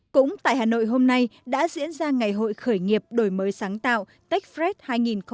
cũng tại hà nội hôm nay đã diễn ra ngày hội khởi nghiệp đổi mới sáng tạo techfret hai nghìn một mươi chín